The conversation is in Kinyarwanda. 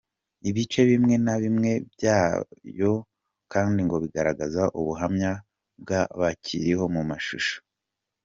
Ibice bimwe na bimwe byayo kandi bigaragaza ubuhamya bw’abakiriho mumashusho.